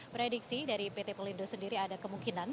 prediksi dari pt pelindo sendiri ada kemungkinan